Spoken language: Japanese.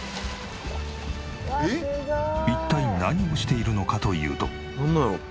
一体何をしているのかというと。